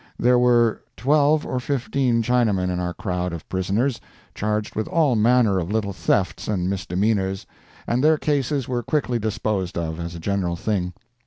There were twelve or fifteen Chinamen in our crowd of prisoners, charged with all manner of little thefts and misdemeanors, and their cases were quickly disposed of, as a general thing.